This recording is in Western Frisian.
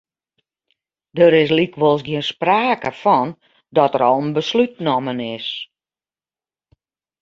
Der is lykwols gjin sprake fan dat der al in beslút nommen is.